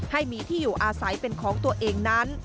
ให้มีที่อยู่อาศัยเป็นของตัวเองนั้น